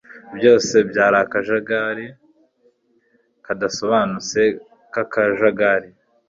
Byose byari akajagari kadasobanutse kakajagari